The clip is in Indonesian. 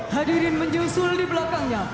hadirin menyusul di belakangnya